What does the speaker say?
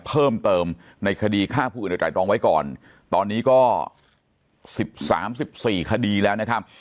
เพิ่มเติมในคดีฆ่าผู้อื่นตรายรองไว้ก่อนตอนนี้ก็สิบสามสิบสี่คดีแล้วนะครับ